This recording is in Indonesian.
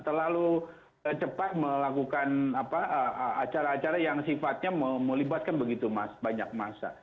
terlalu cepat melakukan acara acara yang sifatnya melibatkan begitu mas banyak massa